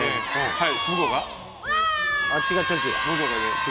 はい。